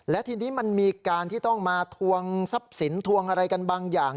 และทีนี้มันมีการที่ต้องมาทวงทรัพย์สินทวงอะไรกันบางอย่าง